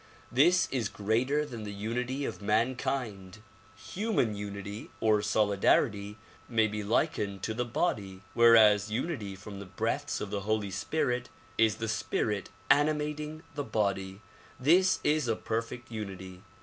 This is greater than the unity of man kind. Human unity or solidarity may be likened to the body whereas unity from the breaths of the Holy Spirit is the spirit animating the body. This is a perfect unity.